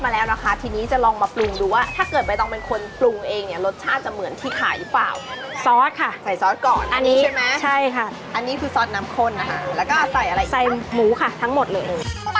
แล้วปรุงออกมาเป็นยังไงนะคะเดี๋ยวไปที่ครัวกันเลย